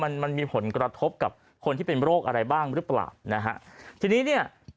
มันมันมีผลกระทบกับคนที่เป็นโรคอะไรบ้างหรือเปล่านะฮะทีนี้เนี่ย